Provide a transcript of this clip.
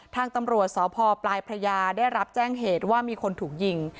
ทางตำรวจสพปลายพระยาได้รับแจ้งเหตุว่ามีคนถูกยิง